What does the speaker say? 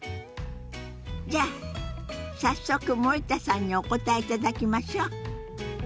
じゃあ早速森田さんにお答えいただきましょう。